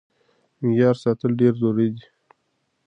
معيار ساتل ډېر ضروري دی.